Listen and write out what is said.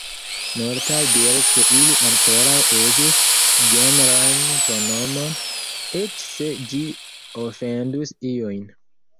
Multaj diris ke ili ankoraŭ uzus genran pronomon, eĉ se ĝi ofendus iujn.